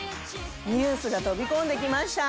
ニュースが飛び込んできました。